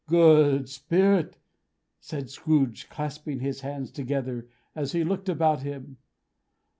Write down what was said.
"Good Spirit!" said Scrooge, clasping his hands together, as he looked about him.